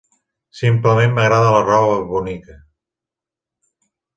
Simplement m'agrada la roba bonica.